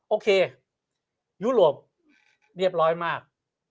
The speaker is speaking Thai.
โอเคยุโรปเรียบร้อยมาก